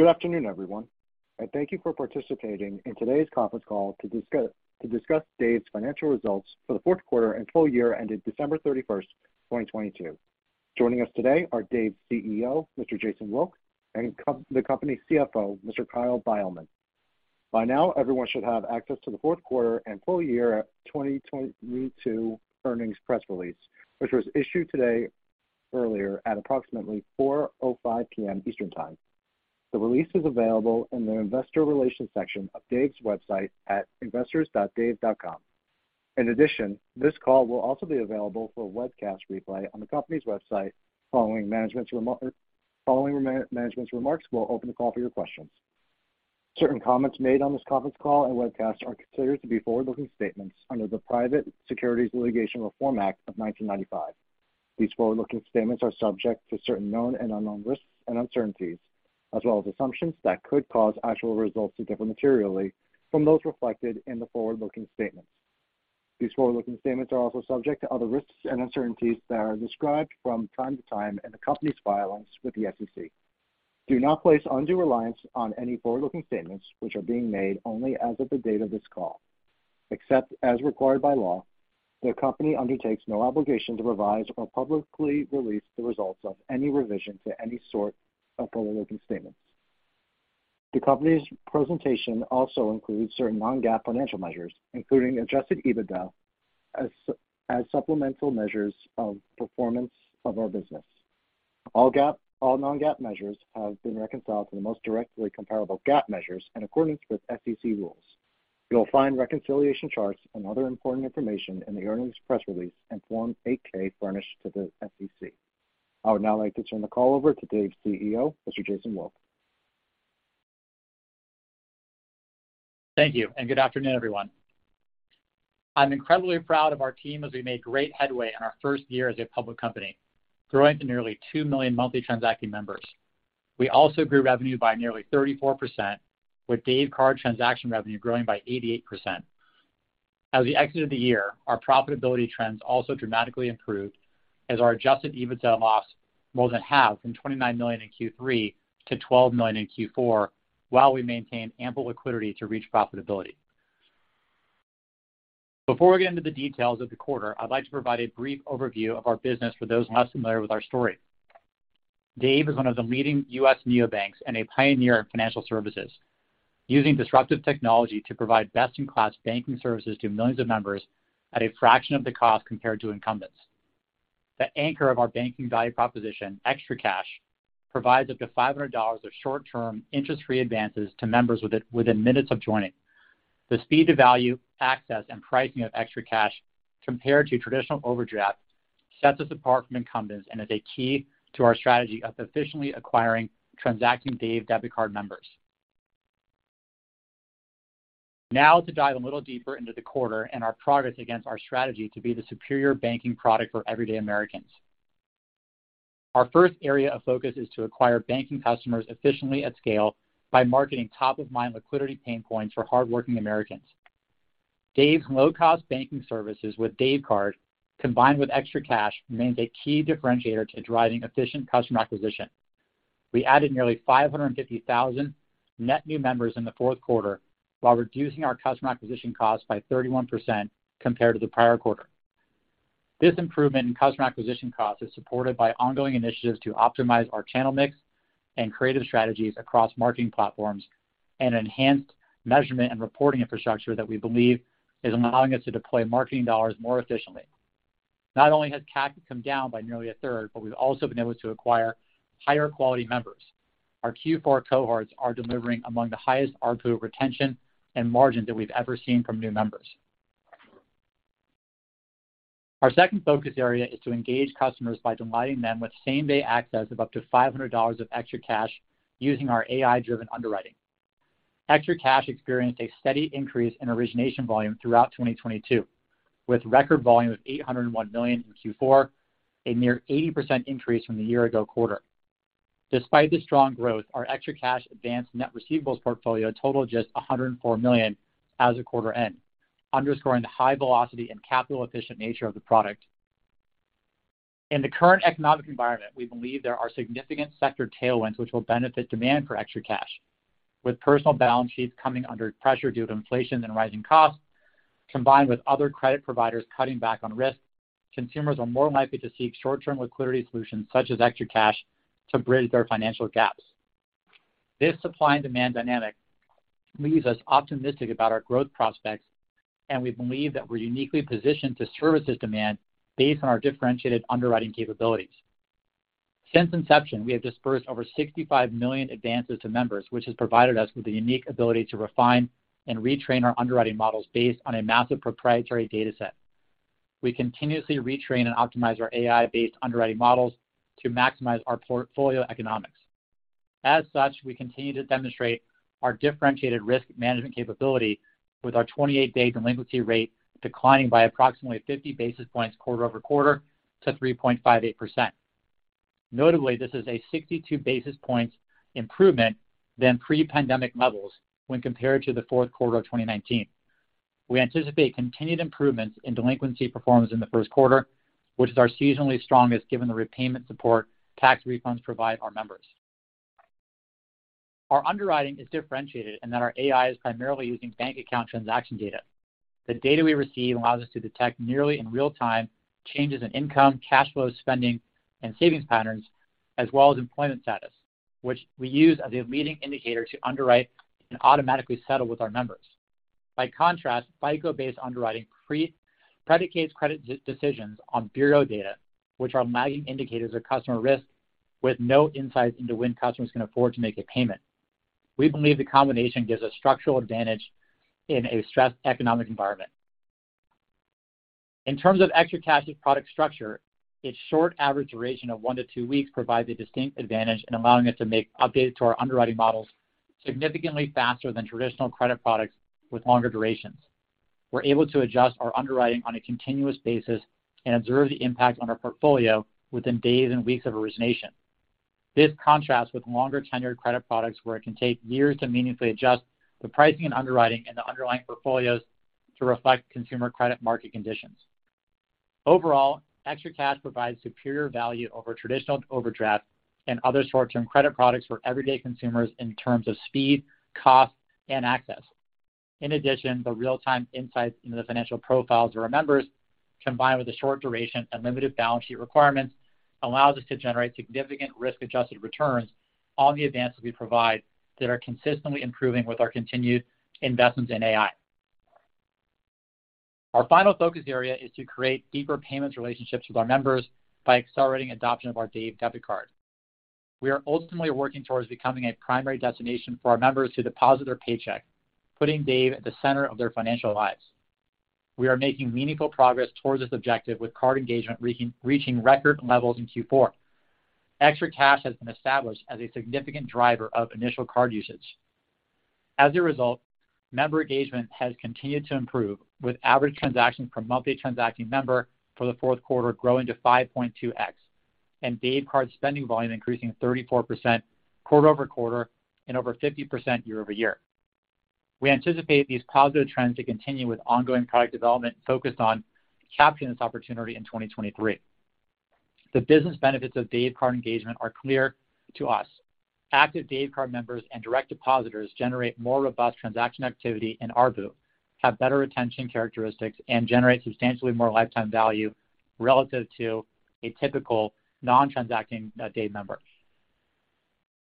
Good afternoon, everyone, and thank you for participating in today's conference call to discuss Dave's financial results for the fourth quarter and full year ended December 31, 2022. Joining us today are Dave's CEO, Mr. Jason Wilk, and the company's CFO, Mr. Kyle Beilman. By now, everyone should have access to the fourth quarter and full year 2022 earnings press release, which was issued today earlier at approximately 4:05 P.M. Eastern Time. The release is available in the investor relations section of Dave's website at investors.dave.com. This call will also be available for a webcast replay on the company's website. Following management's remarks, we'll open the call for your questions. Certain comments made on this conference call and webcast are considered to be forward-looking statements under the Private Securities Litigation Reform Act of 1995. These forward-looking statements are subject to certain known and unknown risks and uncertainties, as well as assumptions that could cause actual results to differ materially from those reflected in the forward-looking statements. These forward-looking statements are also subject to other risks and uncertainties that are described from time to time in the company's filings with the SEC. Do not place undue reliance on any forward-looking statements which are being made only as of the date of this call. Except as required by law, the company undertakes no obligation to revise or publicly release the results of any revision to any sort of forward-looking statements. The company's presentation also includes certain non-GAAP financial measures, including adjusted EBITDA, as supplemental measures of performance of our business. All non-GAAP measures have been reconciled to the most directly comparable GAAP measures in accordance with SEC rules. You'll find reconciliation charts and other important information in the earnings press release and Form 8-K furnished to the SEC. I would now like to turn the call over to Dave's CEO, Mr. Jason Wilk. Thank you, good afternoon, everyone. I'm incredibly proud of our team as we made great headway in our first year as a public company, growing to nearly 2 million Monthly Transacting Members. We also grew revenue by nearly 34%, with Dave Card transaction revenue growing by 88%. As we exited the year, our profitability trends also dramatically improved, as our Adjusted EBITDA loss more than halved from $29 million in Q3 to $12 million in Q4, while we maintained ample liquidity to reach profitability. Before we get into the details of the quarter, I'd like to provide a brief overview of our business for those less familiar with our story. Dave is one of the leading US neobanks and a pioneer in financial services, using disruptive technology to provide best-in-class banking services to millions of members at a fraction of the cost compared to incumbents. The anchor of our banking value proposition, ExtraCash, provides up to $500 of short-term interest-free advances to members within minutes of joining. The speed to value, access, and pricing of ExtraCash compared to traditional overdraft sets us apart from incumbents and is a key to our strategy of efficiently acquiring transacting Dave Debit Card members. To dive a little deeper into the quarter and our progress against our strategy to be the superior banking product for everyday Americans. Our first area of focus is to acquire banking customers efficiently at scale by marketing top-of-mind liquidity pain points for hardworking Americans. Dave's low-cost banking services with Dave Card, combined with ExtraCash, remains a key differentiator to driving efficient customer acquisition. We added nearly 550,000 net new members in the fourth quarter while reducing our customer acquisition costs by 31% compared to the prior quarter. This improvement in customer acquisition costs is supported by ongoing initiatives to optimize our channel mix and creative strategies across marketing platforms and enhanced measurement and reporting infrastructure that we believe is allowing us to deploy marketing dollars more efficiently. Not only has CAC come down by nearly a third, but we've also been able to acquire higher quality members. Our Q4 cohorts are delivering among the highest ARPU retention and margins that we've ever seen from new members. Our second focus area is to engage customers by providing them with same-day access of up to $500 of ExtraCash using our AI-driven underwriting. ExtraCash experienced a steady increase in origination volume throughout 2022, with record volume of $801 million in Q4, a near 80% increase from the year-ago quarter. Despite the strong growth, our ExtraCash advance net receivables portfolio totaled just $104 million as of quarter end, underscoring the high velocity and capital-efficient nature of the product. In the current economic environment, we believe there are significant sector tailwinds which will benefit demand for ExtraCash. With personal balance sheets coming under pressure due to inflation and rising costs, combined with other credit providers cutting back on risk, consumers are more likely to seek short-term liquidity solutions such as ExtraCash to bridge their financial gaps. This supply and demand dynamic leaves us optimistic about our growth prospects, and we believe that we're uniquely positioned to service this demand based on our differentiated underwriting capabilities. Since inception, we have disbursed over 65 million advances to members, which has provided us with the unique ability to refine and retrain our underwriting models based on a massive proprietary data set. We continuously retrain and optimize our AI-based underwriting models to maximize our portfolio economics. As such, we continue to demonstrate our differentiated risk management capability with our 28-day delinquency rate declining by approximately 50 basis points quarter-over-quarter to 3.58%. Notably, this is a 62 basis points improvement than pre-pandemic levels when compared to the fourth quarter of 2019. We anticipate continued improvements in delinquency performance in the first quarter, which is our seasonally strongest given the repayment support tax refunds provide our members. Our underwriting is differentiated in that our AI is primarily using bank account transaction data. The data we receive allows us to detect nearly in real-time changes in income, cash flow, spending, and savings patterns, as well as employment status, which we use as a leading indicator to underwrite and automatically settle with our members. By contrast, FICO-based underwriting predicates credit decisions on bureau data, which are lagging indicators of customer risk with no insights into when customers can afford to make a payment. We believe the combination gives a structural advantage in a stressed economic environment. In terms of ExtraCash's product structure, its short average duration of one to two weeks provides a distinct advantage in allowing us to make updates to our underwriting models significantly faster than traditional credit products with longer durations. We're able to adjust our underwriting on a continuous basis and observe the impact on our portfolio within days and weeks of origination. This contrasts with longer tenured credit products, where it can take years to meaningfully adjust the pricing and underwriting and the underlying portfolios to reflect consumer credit market conditions. Overall, ExtraCash provides superior value over traditional overdrafts and other short-term credit products for everyday consumers in terms of speed, cost, and access. In addition, the real-time insights into the financial profiles of our members, combined with the short duration and limited balance sheet requirements, allows us to generate significant risk-adjusted returns on the advances we provide that are consistently improving with our continued investments in AI. Our final focus area is to create deeper payments relationships with our members by accelerating adoption of our Dave Debit Card. We are ultimately working towards becoming a primary destination for our members to deposit their paycheck, putting Dave at the center of their financial lives. We are making meaningful progress towards this objective, with card engagement reaching record levels in Q4. ExtraCash has been established as a significant driver of initial card usage. As a result, member engagement has continued to improve, with average transactions per Monthly Transacting Member for the fourth quarter growing to 5.2x and Dave Card spending volume increasing 34% quarter-over-quarter and over 50% year-over-year. We anticipate these positive trends to continue with ongoing product development focused on capturing this opportunity in 2023. The business benefits of Dave Card engagement are clear to us. Active Dave Card members and direct depositors generate more robust transaction activity in ARPU, have better retention characteristics, and generate substantially more lifetime value relative to a typical non-transacting Dave member.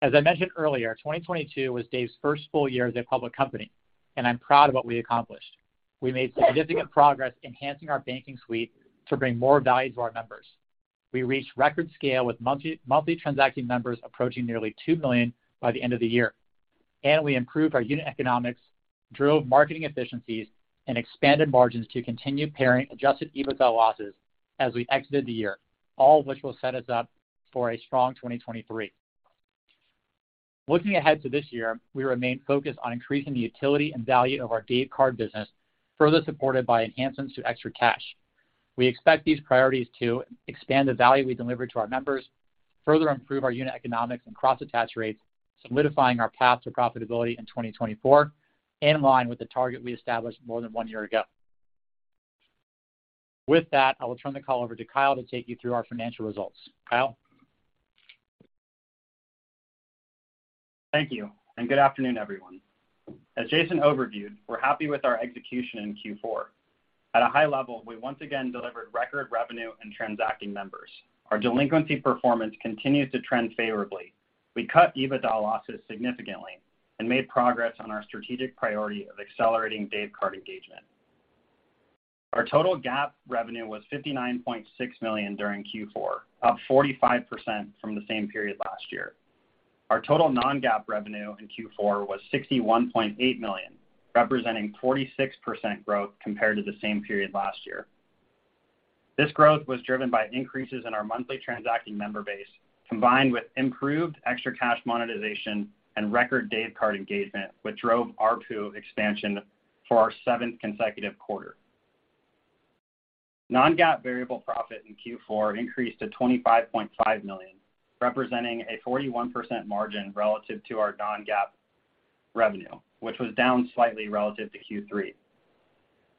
As I mentioned earlier, 2022 was Dave's first full year as a public company, and I'm proud of what we accomplished. We made significant progress enhancing our banking suite to bring more value to our members. We reached record scale with monthly transacting members approaching nearly 2 million by the end of the year. We improved our unit economics, drove marketing efficiencies, and expanded margins to continue pairing Adjusted EBITDA losses as we exited the year. All which will set us up for a strong 2023. Looking ahead to this year, we remain focused on increasing the utility and value of our Dave Card business, further supported by enhancements to ExtraCash. We expect these priorities to expand the value we deliver to our members, further improve our unit economics and cross-attach rates, solidifying our path to profitability in 2024, in line with the target we established more than one year ago. With that, I will turn the call over to Kyle to take you through our financial results. Kyle? Thank you, good afternoon, everyone. As Jason overviewed, we're happy with our execution in Q4. At a high level, we once again delivered record revenue and transacting members. Our delinquency performance continues to trend favorably. We cut EBITDA losses significantly and made progress on our strategic priority of accelerating Dave Card engagement. Our total GAAP revenue was $59.6 million during Q4, up 45% from the same period last year. Our total non-GAAP revenue in Q4 was $61.8 million, representing 46% growth compared to the same period last year. This growth was driven by increases in our monthly transacting member base, combined with improved ExtraCash monetization and record Dave Card engagement, which drove ARPU expansion for our seventh consecutive quarter. Non-GAAP variable profit in Q4 increased to $25.5 million, representing a 41% margin relative to our non-GAAP revenue, which was down slightly relative to Q3.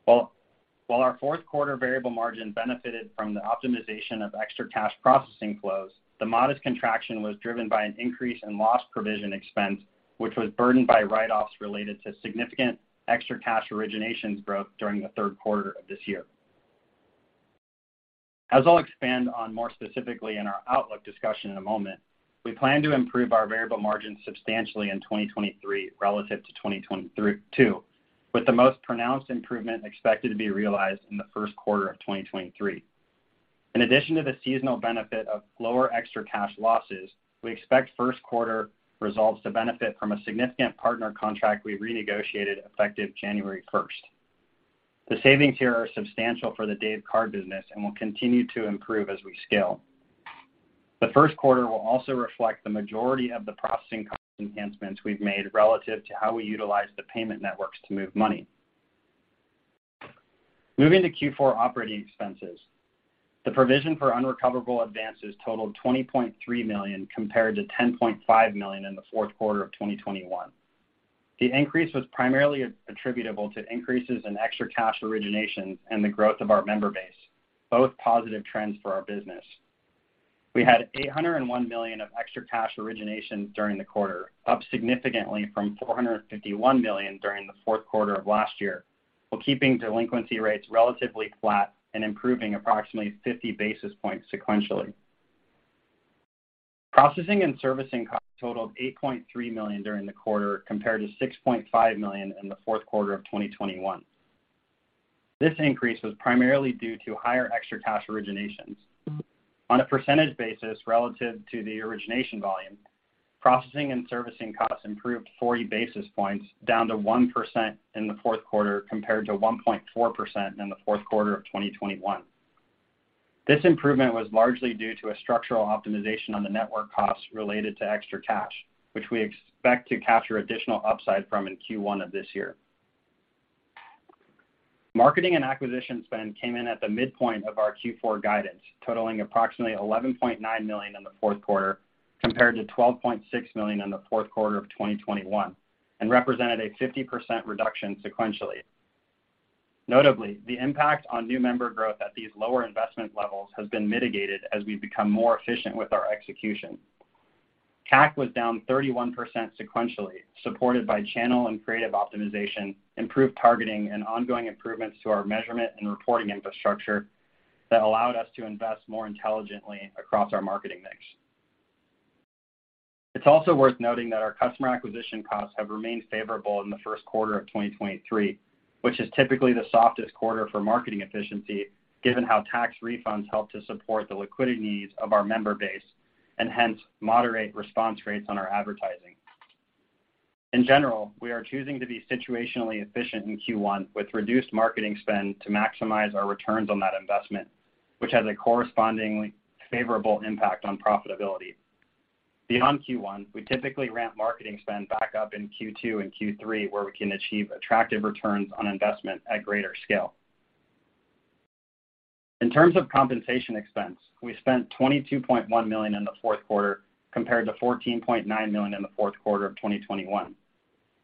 While our fourth quarter variable margin benefited from the optimization of ExtraCash processing flows, the modest contraction was driven by an increase in loss provision expense, which was burdened by write-offs related to significant ExtraCash originations growth during the third quarter of this year. As I'll expand on more specifically in our outlook discussion in a moment, we plan to improve our variable margin substantially in 2023 relative to 2022, with the most pronounced improvement expected to be realized in the first quarter of 2023. In addition to the seasonal benefit of lower ExtraCash losses, we expect first quarter results to benefit from a significant partner contract we renegotiated effective January first. The savings here are substantial for the Dave Card business and will continue to improve as we scale. The first quarter will also reflect the majority of the processing cost enhancements we've made relative to how we utilize the payment networks to move money. Moving to Q4 operating expenses. The provision for unrecoverable advances totaled $20.3 million compared to $10.5 million in the fourth quarter of 2021. The increase was primarily attributable to increases in ExtraCash originations and the growth of our member base, both positive trends for our business. We had $801 million of ExtraCash originations during the quarter, up significantly from $451 million during the fourth quarter of last year, while keeping delinquency rates relatively flat and improving approximately 50 basis points sequentially. Processing and servicing costs totaled $8.3 million during the quarter, compared to $6.5 million in the fourth quarter of 2021. This increase was primarily due to higher ExtraCash originations. On a percentage basis, relative to the origination volume, processing and servicing costs improved 40 basis points down to 1% in the fourth quarter, compared to 1.4% in the fourth quarter of 2021. This improvement was largely due to a structural optimization on the network costs related to ExtraCash, which we expect to capture additional upside from in Q1 of this year. Marketing and acquisition spend came in at the midpoint of our Q4 guidance, totaling approximately $11.9 million in the fourth quarter compared to $12.6 million in the fourth quarter of 2021, represented a 50% reduction sequentially. Notably, the impact on new member growth at these lower investment levels has been mitigated as we've become more efficient with our execution. CAC was down 31% sequentially, supported by channel and creative optimization, improved targeting, and ongoing improvements to our measurement and reporting infrastructure that allowed us to invest more intelligently across our marketing mix. It's also worth noting that our customer acquisition costs have remained favorable in the first quarter of 2023, which is typically the softest quarter for marketing efficiency, given how tax refunds help to support the liquidity needs of our member base and hence moderate response rates on our advertising. In general, we are choosing to be situationally efficient in Q1 with reduced marketing spend to maximize our returns on that investment, which has a correspondingly favorable impact on profitability. Beyond Q1, we typically ramp marketing spend back up in Q2 and Q3, where we can achieve attractive returns on investment at greater scale. In terms of compensation expense, we spent $22.1 million in the fourth quarter compared to $14.9 million in the fourth quarter of 2021.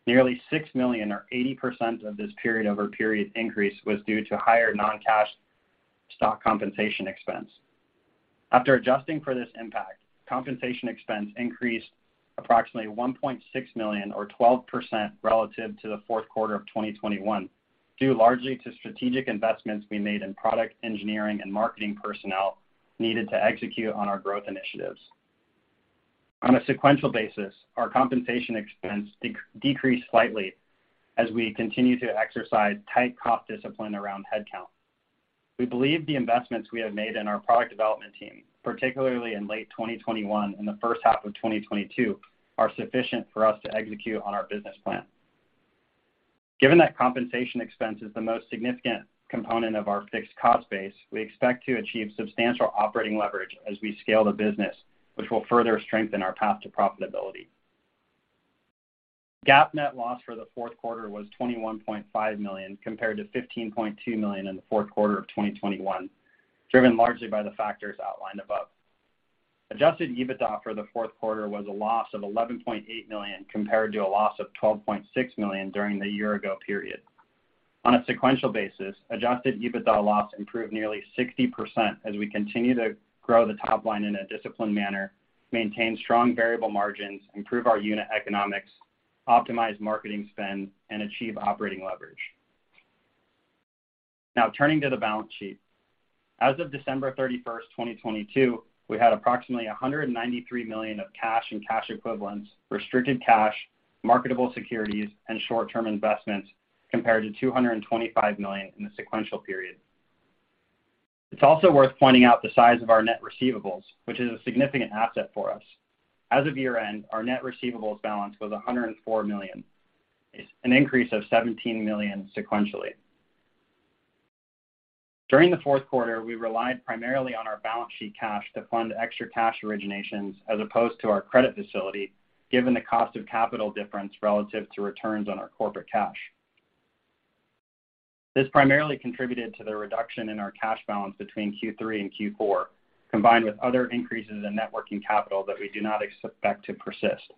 Nearly $6 million or 80% of this period-over-period increase was due to higher non-cash stock compensation expense. After adjusting for this impact, compensation expense increased approximately $1.6 million or 12% relative to the fourth quarter of 2021, due largely to strategic investments we made in product engineering and marketing personnel needed to execute on our growth initiatives. On a sequential basis, our compensation expense decreased slightly as we continue to exercise tight cost discipline around headcount. We believe the investments we have made in our product development team, particularly in late 2021 and the first half of 2022, are sufficient for us to execute on our business plan. Given that compensation expense is the most significant component of our fixed cost base, we expect to achieve substantial operating leverage as we scale the business, which will further strengthen our path to profitability. GAAP net loss for the fourth quarter was $21.5 million, compared to $15.2 million in the fourth quarter of 2021, driven largely by the factors outlined above. Adjusted EBITDA for the fourth quarter was a loss of $11.8 million, compared to a loss of $12.6 million during the year ago period. On a sequential basis, Adjusted EBITDA loss improved nearly 60% as we continue to grow the top line in a disciplined manner, maintain strong variable margins, improve our unit economics, optimize marketing spend, and achieve operating leverage. Turning to the balance sheet. As of December 31, 2022, we had approximately $193 million of cash and cash equivalents, restricted cash, marketable securities, and short-term investments, compared to $225 million in the sequential period. It's also worth pointing out the size of our net receivables, which is a significant asset for us. As of year-end, our net receivables balance was $104 million. It's an increase of $17 million sequentially. During the fourth quarter, we relied primarily on our balance sheet cash to fund ExtraCash originations as opposed to our credit facility, given the cost of capital difference relative to returns on our corporate cash. This primarily contributed to the reduction in our cash balance between Q3 and Q4, combined with other increases in networking capital that we do not expect to persist.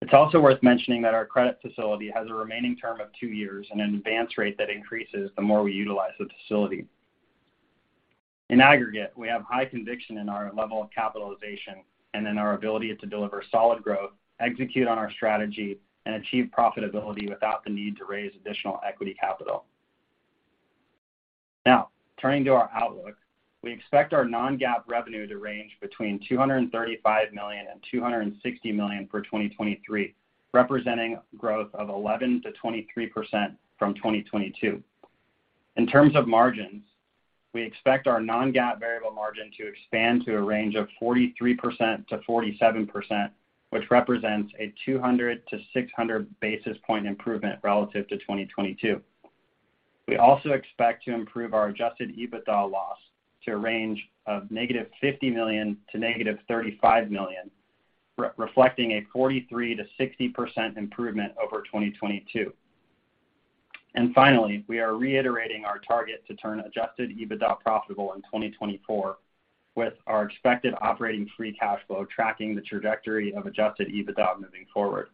It's also worth mentioning that our credit facility has a remaining term of two years and an advance rate that increases the more we utilize the facility. In aggregate, we have high conviction in our level of capitalization and in our ability to deliver solid growth, execute on our strategy, and achieve profitability without the need to raise additional equity capital. Turning to our outlook. We expect our non-GAAP revenue to range between $235 million and $260 million for 2023, representing growth of 11% to 23% from 2022. In terms of margins, we expect our non-GAAP variable margin to expand to a range of 43% to 47%, which represents a 200 to 600 basis point improvement relative to 2022. We also expect to improve our Adjusted EBITDA loss to a range of -$50 million to -$35 million. Reflecting a 43% to 60% improvement over 2022. Finally, we are reiterating our target to turn Adjusted EBITDA profitable in 2024, with our expected operating free cash flow tracking the trajectory of Adjusted EBITDA moving forward.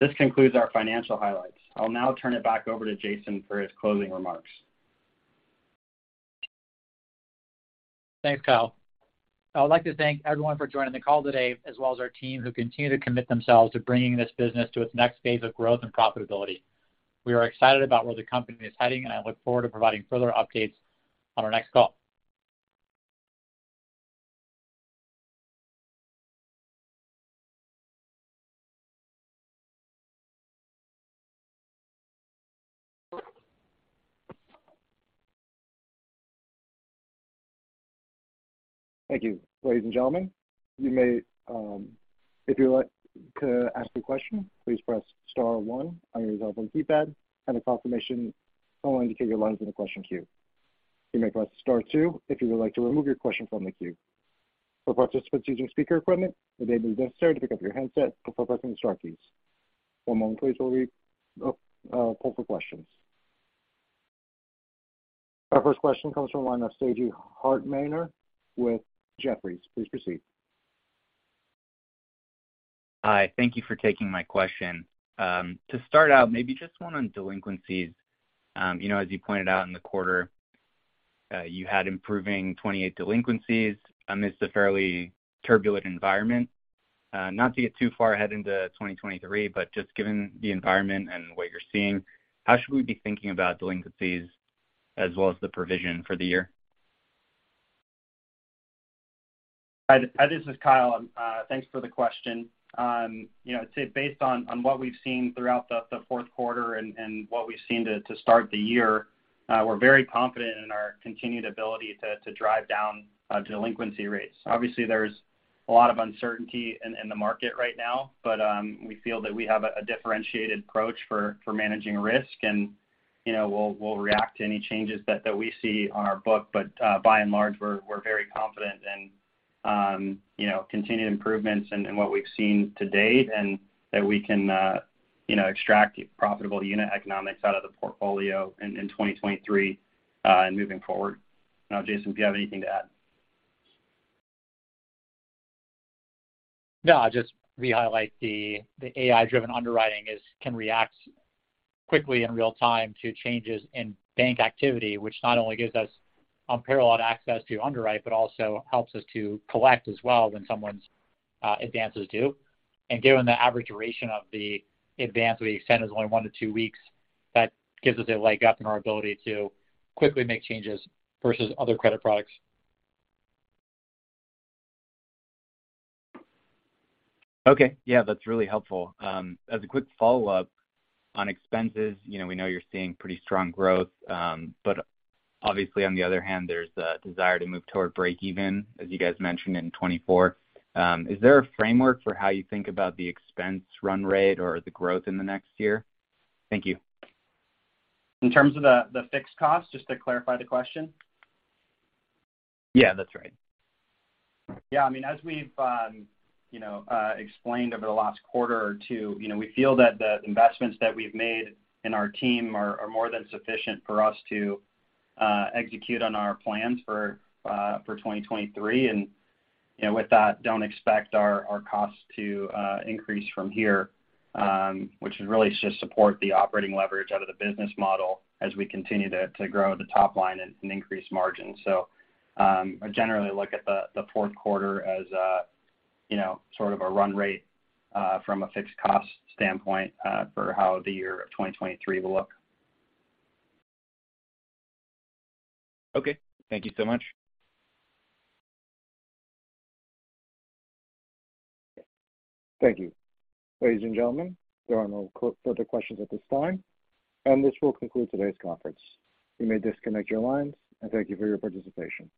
This concludes our financial highlights. I'll now turn it back over to Jason for his closing remarks. Thanks, Kyle. I would like to thank everyone for joining the call today, as well as our team who continue to commit themselves to bringing this business to its next phase of growth and profitability. We are excited about where the company is heading, and I look forward to providing further updates on our next call. Thank you. Ladies and gentlemen, you may, if you'd like to ask a question, please press star one on your telephone keypad, and a confirmation tone will indicate your line is in the question queue. You may press star two if you would like to remove your question from the queue. For participants using speaker equipment, it may be necessary to pick up your handset before pressing the star keys. One moment please while we pull for questions. Our first question comes from the line of Stacey Hartmaner with Jefferies. Please proceed. Hi. Thank you for taking my question. To start out, maybe just one on delinquencies. You know, as you pointed out in the quarter, you had improving 28 delinquencies amidst a fairly turbulent environment. Not to get too far ahead into 2023, but just given the environment and what you're seeing, how should we be thinking about delinquencies as well as the provision for the year? Hi, this is Kyle. Thanks for the question. You know, I'd say based on what we've seen throughout the fourth quarter and what we've seen to start the year, we're very confident in our continued ability to drive down delinquency rates. Obviously, there's a lot of uncertainty in the market right now, but we feel that we have a differentiated approach for managing risk. You know, we'll react to any changes that we see on our book. By and large, we're very confident in, you know, continued improvements in what we've seen to date, and that we can, you know, extract profitable unit economics out of the portfolio in 2023 and moving forward. Now, Jason, do you have anything to add? No, I'll just re-highlight the AI-driven underwriting can react quickly in real time to changes in bank activity, which not only gives us unparalleled access to underwrite but also helps us to collect as well when someone's advances due. Given the average duration of the advance we extend is only one to two weeks, that gives us a leg up in our ability to quickly make changes versus other credit products. Okay. Yeah, that's really helpful. As a quick follow-up on expenses, you know, we know you're seeing pretty strong growth. Obviously, on the other hand, there's a desire to move toward break even, as you guys mentioned in 2024. Is there a framework for how you think about the expense run rate or the growth in the next year? Thank you. In terms of the fixed costs, just to clarify the question? Yeah, that's right. I mean, as we've, you know, explained over the last quarter or two, you know, we feel that the investments that we've made in our team are more than sufficient for us to execute on our plans for 2023. You know, with that, don't expect our costs to increase from here, which is really to support the operating leverage out of the business model as we continue to grow the top line and increase margins. I generally look at the fourth quarter as a, you know, sort of a run rate, from a fixed cost standpoint, for how the year of 2023 will look. Okay. Thank you so much. Thank you. Ladies and gentlemen, there are no further questions at this time. This will conclude today's conference. You may disconnect your lines. Thank you for your participation.